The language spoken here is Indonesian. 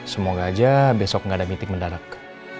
semoga aja besok nggak ada meeting mendarak